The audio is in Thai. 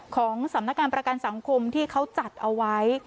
ของสำนักงานประกันสังคมที่เขาจัดเอาไว้